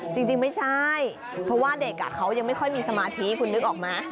จริงไม่ใช่เพราะว่าเด็กเขายังไม่ค่อยมีสมาธิคุณนึกออกไหม